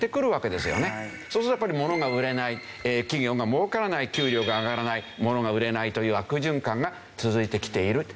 そうするとやっぱりものが売れない企業がもうからない給料が上がらないものが売れないという悪循環が続いてきている。